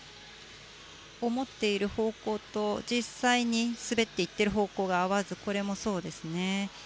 思っている方向と実際に滑っていっている方向が合わずこれもそうですね。